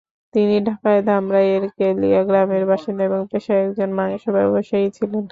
তিনি ঢাকার ধামরাইয়ের কেলিয়া গ্রামের বাসিন্দা এবং পেশায় একজন মাংস ব্যবসায়ী ছিলেন।